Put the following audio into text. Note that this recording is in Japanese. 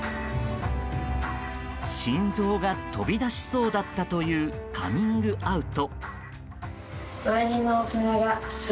心臓が飛び出しそうだったというカミングアウト。